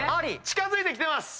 近づいてきてます。